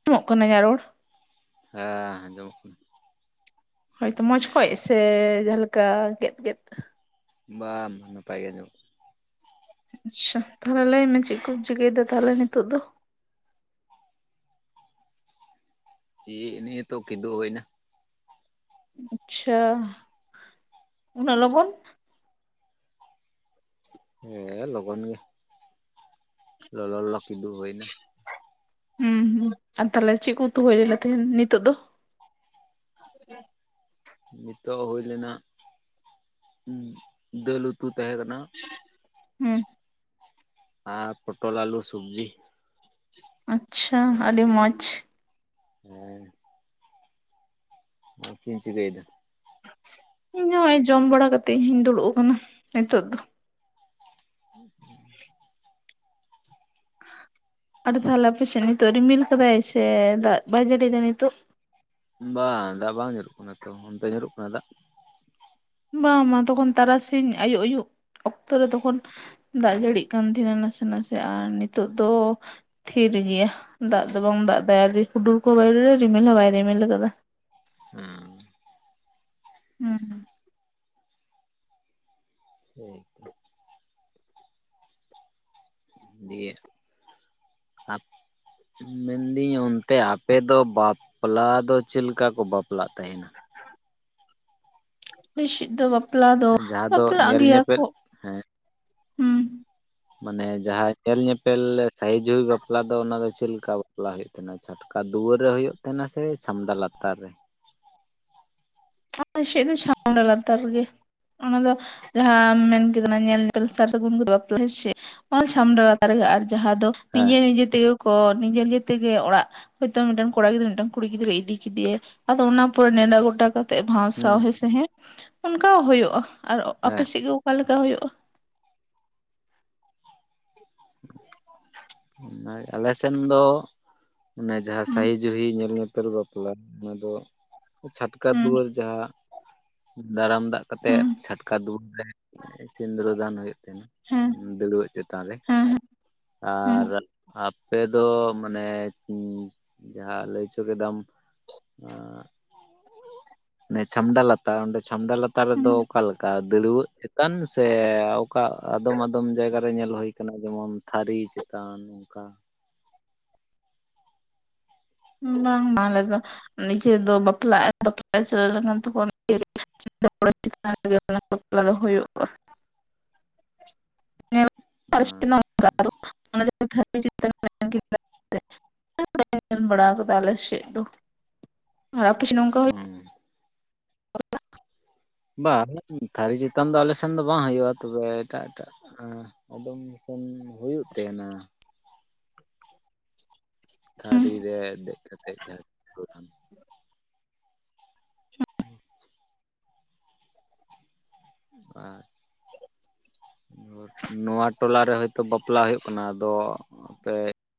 ᱟᱸᱡᱚᱢᱚᱜ ᱠᱟᱱᱟ ᱤᱧᱟᱜ ᱨᱚᱲ ᱦᱮᱸ ᱟᱸᱡᱚᱢᱚᱜ ᱠᱟᱱᱟ ᱦᱳᱭᱛᱚ ᱢᱚᱡᱽ ᱠᱚᱡ ᱥᱮ ᱡᱟᱦᱟᱸ ᱞᱮᱠᱟ ᱜᱮᱫ ᱜᱮᱫ ᱵᱟᱝ ᱱᱟᱯᱟᱭ ᱜᱮ‌ ᱟᱸᱡᱚᱢᱚᱜ ᱠᱟᱱᱟ ᱟᱪᱪᱷᱟ ᱛᱟᱦᱚᱞᱮ ᱞᱟᱹᱭᱢᱮ ᱪᱮᱫ ᱠᱚᱢ ᱪᱤᱠᱟᱹᱭᱮᱫᱟ ᱛᱟᱦᱚᱞᱮ ᱱᱤᱛᱚᱜ ᱫᱚ ᱱᱮ ᱱᱤᱛᱚᱜ ᱠᱤᱫᱩᱜ ᱦᱚᱭᱱᱟ ᱟᱪᱪᱷᱟ ᱩᱱᱟᱜ ᱞᱚᱜᱚᱱ ᱦᱮᱸ ᱞᱚᱜᱚᱱ ᱜᱮ ᱞᱚ ᱞᱚ ᱠᱤᱫᱩᱜ ᱦᱩᱭᱱᱟ ᱦᱩᱸ ᱦᱩᱸ ᱟᱨ ᱛᱟᱦᱞᱮ ᱪᱮᱫ ᱠᱚ ᱩᱛᱩ ᱦᱩᱭᱞᱮᱱ ᱛᱟᱦᱮᱸᱱ ᱱᱤᱛᱚᱜ ᱫᱚ ᱱᱤᱛᱚᱜ ᱦᱩᱭ ᱞᱮᱱᱟ ᱫᱟᱹᱞ ᱩᱛᱩ ᱛᱟᱦᱮᱸ ᱠᱟᱱᱟ ᱦᱩᱸ ᱟᱨ ᱯᱚᱴᱚᱞ ᱟᱞᱩ ᱥᱚᱵᱡᱤ ᱟᱪᱪᱷᱟ ᱟᱹᱰᱤ ᱢᱚᱡᱽ ᱦᱮᱸ ᱟᱢ ᱪᱮᱫ ᱮᱢ ᱪᱤᱠᱟᱹᱭᱮᱫᱟ ᱤᱧ ᱱᱚᱜ ᱚᱭ ᱡᱚᱢ ᱵᱟᱲᱟ ᱠᱟᱛᱮᱜ ᱤᱧ ᱫᱩᱲᱩᱵ ᱟᱠᱟᱱᱟ ᱱᱤᱛᱚᱜ ᱫᱚ ᱟᱪᱪᱷᱟ ᱟᱫᱚ ᱛᱟᱦᱚᱞᱮ ᱟᱯᱮᱥᱮᱫ ᱱᱤᱛᱚᱜ ᱨᱤᱢᱤᱞ ᱠᱟᱫᱟᱭ ᱥᱮ ‌ ᱫᱟᱜ ᱵᱟᱭ ᱡᱟᱹᱲᱤ ᱫᱟ ᱱᱤᱛᱟᱹᱜ ᱵᱟᱝ ᱫᱟᱜ ᱵᱟᱝ ᱧᱩᱨᱩᱜ ᱠᱟᱱᱟ ᱛᱚ ᱚᱱᱛᱮ ᱧᱩᱨᱩᱜ ᱠᱟᱱᱟ ᱫᱟᱜ ᱵᱟᱝ ᱛᱚᱠᱷᱚᱱ ᱛᱟᱨᱟᱥᱤᱧ ᱟᱭᱩᱵ ᱟᱹᱭᱩᱵ ᱚᱠᱛᱚᱮ ᱛᱚᱠᱷᱚᱱ ᱫᱟᱜ ᱡᱟᱹᱲᱤᱜ ᱠᱟᱱ ᱛᱟᱦᱮᱱᱟ ᱱᱟᱥᱮ ᱱᱟᱥᱮ ᱟᱨ ᱱᱤᱛᱚᱜ ᱫᱚ ᱛᱷᱤᱨ ᱜᱮᱭᱟ ᱫᱟᱜ ᱫᱚ ᱵᱟᱝ ᱫᱟᱜ ᱫᱟᱭ ᱦᱩᱰᱩᱨ ᱠᱚᱦᱚ ᱵᱟᱭ ᱨᱤᱢᱤᱞ ᱦᱚᱸ ᱵᱟᱭ ᱨᱤᱢᱤᱞ ᱟᱠᱟᱫᱟ ᱦᱮᱸ ᱦᱩᱸ ᱴᱷᱤᱠᱭᱟ [inaudible] ᱫᱤᱭᱮ ᱦᱟ ᱢᱮᱱᱫᱟᱹᱧ ᱚᱱᱛᱮ ᱟᱯᱮ ᱫᱚ ᱵᱟᱯᱞᱟ ᱫᱚ ᱪᱮᱫ ᱞᱮᱠᱟ ᱠᱚ ᱵᱟᱯᱞᱟᱜ ᱛᱮᱦᱮᱱᱟ? ᱦ [inaudible] ᱟᱞᱮ ᱥᱮᱫ ᱫᱚ ᱵᱟᱯᱞᱟ ᱫᱚ ᱡᱟᱦᱟᱸ ᱫᱚ ᱵᱟᱯᱞᱟᱜ ᱧᱮᱞ ᱜᱮᱭᱟ ᱧᱮᱯᱮᱞ ᱠᱚ ᱦᱮᱸ ᱦᱩᱸ, ᱢᱟᱱᱮ ᱡᱟᱦᱟᱸ ᱧᱮᱞ ᱧᱮᱯᱮᱞ ᱥᱟᱦᱤ ᱡᱩᱦᱤ ᱵᱟᱯᱞᱟ ᱫᱚ ᱚᱱᱟ ᱫᱚ ᱪᱮᱫ ᱞᱮᱠᱟ ᱵᱟᱯᱞᱟ ᱦᱩᱭᱩᱜ-ᱟ? ᱛᱟᱦᱮᱱᱟ ᱪᱷᱟᱴᱠᱟ ᱫᱩᱣᱟᱹᱨ ᱨᱮ ᱦᱩᱭᱩᱜ ᱛᱟᱦᱮᱱᱟ ᱥᱮ ᱪᱷᱟᱢᱰᱟ ᱞᱟᱛᱟᱨ ᱨᱮ? ᱟᱞᱮ ᱥᱮᱫ ᱫᱚ ᱪᱷᱟᱢᱰᱟ ᱞᱟᱛᱟᱨ ᱨᱮ ᱜᱮ, ᱚᱱᱟ ᱫᱚ ᱡᱟᱦᱟᱸ ᱢᱮᱱ ᱠᱮᱫᱟ ᱧᱮᱞ ᱧᱮᱯᱮᱞ ᱥᱟᱨ ᱥᱟᱹᱜᱩᱱ ᱠᱟᱛᱮ ᱵᱟᱯᱞᱟ ᱦᱮᱥᱮ ᱚᱱᱟ ᱥᱟᱢᱰᱟ ᱞᱟᱛᱟᱨ ᱨᱮᱜᱮ ᱟᱨ ᱡᱟᱦᱟᱸ ᱫᱚ ᱦᱮᱸ ᱱᱤᱡᱮ ᱱᱤᱡᱮ ᱛᱮᱜᱮ ᱠᱚ ᱱᱤᱡᱮ ᱱᱤᱡᱮ ᱛᱮᱜᱮ ᱚᱲᱟᱜ ᱦᱚᱭ ᱛᱚ ᱢᱤᱫᱴᱟᱝ ᱠᱚᱲᱟ ᱜᱤᱫᱽᱨᱟᱹ ᱢᱤᱫᱴᱮᱱ ᱠᱩᱲᱤ ᱜᱤᱫᱽᱨᱟᱹ ᱤᱫᱤ ᱠᱮᱫᱮᱭᱟ ᱟᱫᱚ ᱚᱱᱟ ᱯᱚᱨᱮ ᱱᱮᱰᱟ ᱜᱚᱴᱟ ᱠᱚ ᱛᱮᱫ ᱵᱷᱟᱣᱥᱟᱣ ᱦᱩᱸ ᱦᱮᱸ ᱥᱮ ᱦᱮᱸ ᱚᱱᱠᱟ ᱦᱩᱭᱩᱜ-ᱟ, ᱟᱨ ᱟᱯᱮ ᱥᱮᱫ ᱜᱮ ᱚᱠᱟ ᱞᱮᱠᱟ ᱦᱩᱭᱩᱜ-ᱟ? ᱟᱞᱮ ᱥᱮᱱ ᱫᱚ ᱚᱱᱮ ᱡᱟᱦᱟᱸ ᱦᱩᱸ ᱥᱟᱭᱤᱡ ᱡᱩᱦᱤ ᱧᱮᱞ ᱧᱮᱯᱮᱞ ᱵᱟᱯᱞᱟ ᱚᱱᱟ ᱫᱚ ᱪᱷᱟᱴᱠᱟ ᱦᱩᱸ ᱫᱩᱣᱟᱹᱨ ᱡᱟᱦᱟᱸ ᱫᱟᱨᱟᱢ ᱫᱟᱜ ᱠᱟᱛᱮᱜ ᱦᱩᱸ ᱪᱷᱟᱴᱠᱟ ᱫᱩᱣᱟᱹᱨ ᱨᱮ ᱥᱤᱸᱫᱽᱨᱟ ᱫᱟᱱ ᱦᱩᱭᱩᱜ ᱛᱮᱦᱮᱱᱟ ᱦᱮᱸ ᱫᱟᱹᱲᱩᱣᱟᱹᱜ ᱪᱮᱛᱟᱱ ᱨᱮ, ᱦᱮᱸ ᱦᱮᱸ ᱟᱨ ᱟᱯᱮ ᱫᱚ ᱢᱟᱱᱮ ᱡᱟᱦᱟᱸ ᱞᱟᱹᱭ ᱪᱚ ᱠᱮᱫᱟᱢ, ᱪᱷᱟᱢᱰᱟ ᱞᱟ ᱛᱟ ᱚᱸᱰᱮ ᱪᱷᱟᱢᱰᱟ ᱞᱟᱛᱟᱨ ᱨᱮᱫᱚ ᱦᱮᱸ ᱚᱠᱟ ᱞᱮᱠᱟ ᱫᱟᱹᱲᱣᱟᱹᱜ ᱪᱮᱛᱟᱱ ᱥᱮ? ᱚᱱᱠᱟ ᱟᱫᱚᱢ ᱟᱫᱚᱢ ᱡᱟᱭᱜᱟ ᱨᱮ ᱧᱮᱞ ᱦᱩᱭ ᱟᱠᱟᱱᱟ ᱡᱮᱢᱚᱱ ᱛᱷᱟᱹᱨᱤ ᱪᱮᱛᱟᱱ ᱚᱱᱠᱟ, ᱵᱟᱝ ᱟᱞᱮ ᱫᱚ ᱱᱤᱡᱮ ᱫᱚ ᱵᱟᱯᱞᱟᱜ ᱵᱟᱯᱞᱟᱜ ᱪᱟᱞᱟᱣ ᱞᱮᱠᱷᱟᱱ ᱛᱚᱠᱷᱚᱱ [unintelligible] [inaudible] ᱪᱮᱛᱟᱱ ᱨᱮ ᱚᱱᱟ ᱵᱟᱯᱞᱟ ᱫᱚ ᱦᱩᱭᱩᱜᱼᱟ᱾ [unintelligible] ᱦᱮᱸ [inaudible] ᱠᱮᱫᱟ ᱧᱮᱞ ᱵᱟᱲᱟ ᱟᱠᱟᱫᱟ ᱟᱞᱮ ᱥᱮᱜ ᱫᱚ, ᱟᱯᱮ ᱥᱮᱫ ᱫᱚ ᱚᱝᱠᱟ ᱦᱩᱸ [inaudible] ᱵᱟᱝ ᱛᱷᱟᱹᱨᱤ ᱪᱮᱛᱟᱱ ᱫᱚ ᱟᱞᱮ ᱥᱮᱱ ᱫᱚ ᱵᱟᱝ ᱦᱩᱭᱩᱜ-ᱟ ᱛᱚᱵᱮ ᱮᱴᱟᱜ ᱮᱴᱟᱜ, ᱟᱫᱚᱢ ᱥᱮᱱ ᱦᱩᱭᱩᱜ ᱛᱟᱦᱮᱸᱱᱟ᱾ ᱛᱷᱟᱹᱨᱤ ᱨᱮ ᱫᱮᱡ ᱠᱟᱛᱮᱡ [unintelligible] ᱟᱪᱪᱷᱟ ᱟᱨ ᱱᱚᱣᱟ ᱴᱚᱞᱟ ᱨᱮ ᱦᱳᱭ ᱛᱚ ᱵᱟᱯᱞᱟ ᱦᱩᱭᱩᱜ ᱠᱟᱱᱟ ᱟᱫᱚ ᱟᱯᱮ